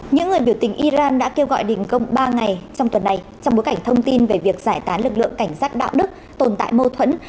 những người biểu tình iran đã kêu gọi đình công ba ngày trong tuần này trong bối cảnh thông tin về việc giải tán lực lượng cảnh sát đạo đức tồn tại mâu thuẫn